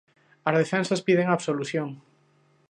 As defensas piden a absolución.